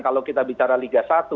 kalau kita bicara liga satu